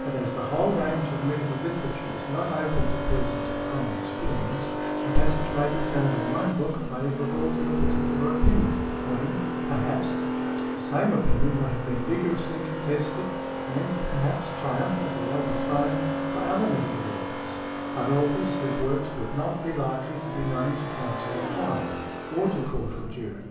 But as the whole range of medical literature is not open to persons of common experience, a passage may be found in one book favorable to a particular opinion, when, perhaps, the same opinion may have been vigorously contested, and, perhaps, triumphantly overthrown, by other medical authors, but authors whose works would not be likely to be known to counsel or client, or to Court or jury.